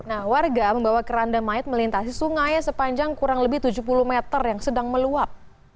nah warga membawa keranda mayat melintasi sungai sepanjang kurang lebih tujuh puluh meter yang sedang meluap